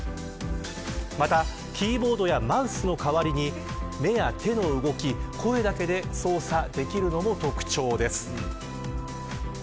また、キーボードやマウスの代わりに目や手の動き、声だけで操作できるのも特徴です。